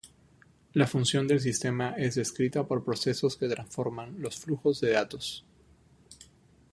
La función del sistema es descrita por procesos que transforman los flujos de datos.